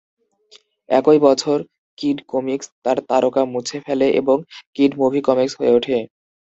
একই বছর, "kid comics" তার তারকা মুছে ফেলে এবং "কিড মুভি কমিকস" হয়ে ওঠে।